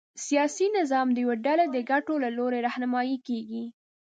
سیاسي نظام د یوې ډلې د ګټو له لوري رهنمايي کېږي.